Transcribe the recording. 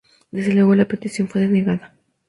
Desde luego la petición fue denegada.